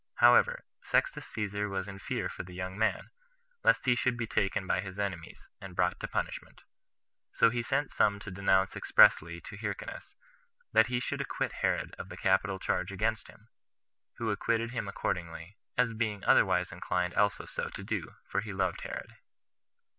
However, Sextus Caesar was in fear for the young man, lest he should be taken by his enemies, and brought to punishment; so he sent some to denounce expressly to Hyrcanus that he should acquit Herod of the capital charge against him; who acquitted him accordingly, as being otherwise inclined also so to do, for he loved Herod.